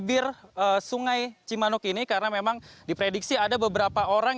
bibir sungai cimanuk ini karena memang diprediksi ada beberapa orang